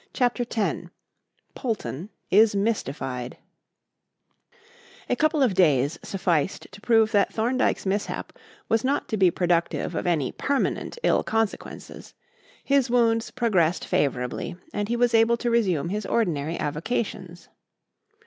CHAPTER X POLTON IS MYSTIFIED A couple of days sufficed to prove that Thorndyke's mishap was not to be productive of any permanent ill consequences; his wounds progressed favourably and he was able to resume his ordinary avocations.